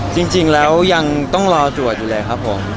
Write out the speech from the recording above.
จริงแล้วยังต้องรอดร้วดอ่ะนะครับผม